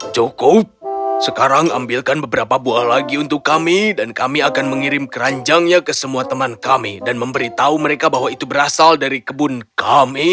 cukup sekarang ambilkan beberapa buah lagi untuk kami dan kami akan mengirim keranjangnya ke semua teman kami dan memberitahu mereka bahwa itu berasal dari kebun kami